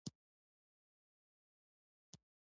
بامیان د افغانانو د تفریح یوه وسیله ده.